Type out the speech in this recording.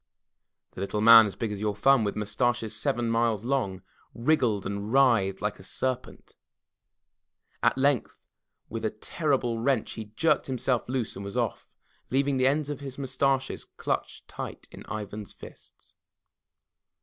The Little Man As Big As Your Thumb With Mustaches Seven Miles Long wriggled and writhed like a serpent. At length with a terrible wrench, he jerked himself loose and was Off, leaving the ends of his mustaches clutched tight in Ivan's fists.